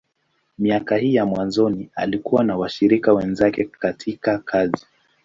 Miaka hii ya mwanzoni, alikuwa na washirika wenzake katika kazi.